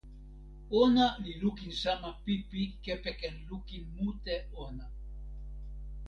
ona li lukin sama pipi kepeken lukin mute ona.